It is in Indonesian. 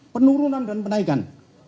penurunan dan penaikan